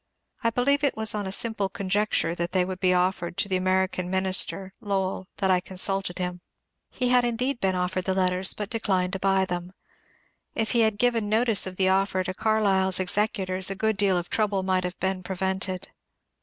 I be lieve it was on a simple conjecture that they would be offered to the American Minister (LoweU) that I consulted him. He had indeed been offered the letters, but declined to buy them. If he had given notice of the offer to Carlyle's executors a good deal of trouble might have been prevented.